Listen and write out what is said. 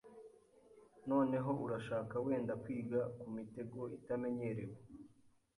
Noneho urashaka wenda kwiga kumitego itamenyerewe?